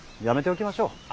やめておきましょう。